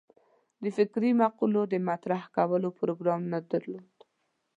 د فکري مقولو د مطرح کولو پروګرام نه درلود.